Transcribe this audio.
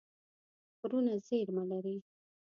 غرونه زیرمه لري.